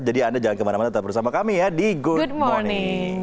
jadi anda jangan kemana mana tetap bersama kami ya di goodmore